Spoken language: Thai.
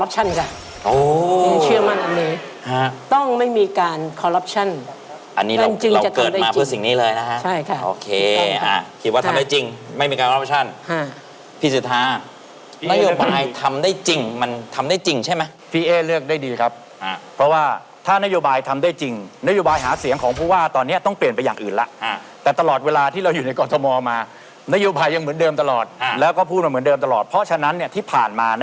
จะทำได้จริงถ้าไม่มีการคอรับชันค่ะ